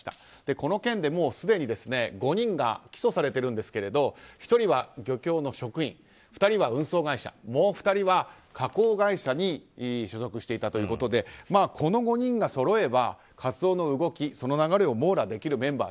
この件で、すでに５人が起訴されてるんですが１人は漁協の職員２人は運送会社もう２人は加工会社に所属していたということでこの５人がそろえばカツオの動き、その流れを網羅できるメンバー